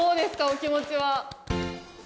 お気持ちは。